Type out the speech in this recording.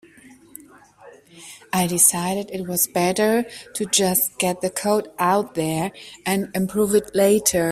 I decided it was better to just get the code out there and improve it later.